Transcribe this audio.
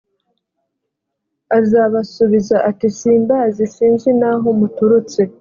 azabasubiza ati simbazi sinzi n’aho muturutse